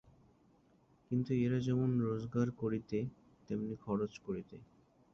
কিন্তু এরা যেমন রোজগার করিতে, তেমনি খরচ করিতে।